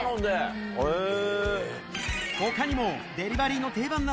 へぇ！